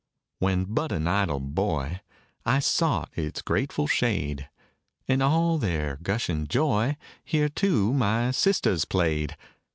When but an idle boy, I sought its grateful shade; In all their gushing joy Here, too, my sisters played.